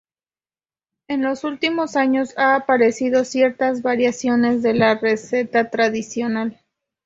En los últimos años han aparecido ciertas variaciones de la receta tradicional.